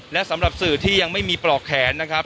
และสำหรับสื่อที่ยังไม่มีปลอกแขนนะครับ